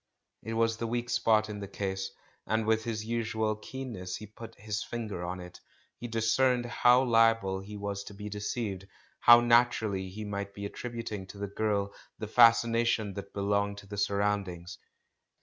It was the weak spot in the case, and with his usual keen ness he had put his finger on it — he discerned how liable he was to be deceived, how naturally he might be attributing to the girl the fascination that belonged to the surroundings.